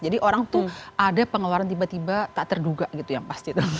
jadi orang tuh ada pengeluaran tiba tiba tak terduga gitu yang pasti